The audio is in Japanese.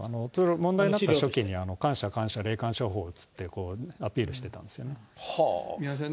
問題になった初期に、感謝感謝霊感商法ってアピールしてたんですよね。